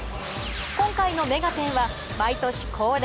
今回の『目がテン！』は毎年恒例